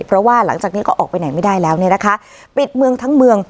เพราะว่าหลังจากนี้ก็ออกไปไหนไม่ได้แล้วเนี่ยนะคะปิดเมืองทั้งเมือง